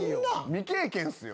未経験っすよ。